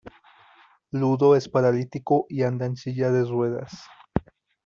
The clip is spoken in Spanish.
Ludo es paralítico y anda en silla de ruedas.